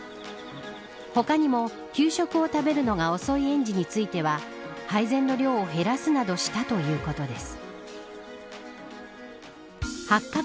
他にも給食を食べるのが遅い園児については配膳の量を減らすなどしたということです。